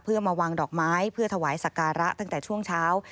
เพื่อมาวางดอกไม้เพื่อถวายสการะตั้งแต่ช่วงเช้า